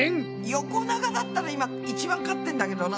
横長だったら今一番勝ってんだけどな。